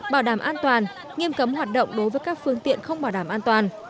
bảo đảm an toàn nghiêm cấm hoạt động đối với các phương tiện không bảo đảm an toàn